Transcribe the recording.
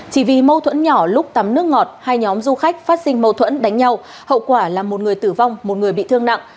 chỉ vì mâu thuẫn nhỏ lúc tắm nước ngọt hai nhóm du khách phát sinh mâu thuẫn đánh nhau hậu quả là một người tử vong một người bị thương nặng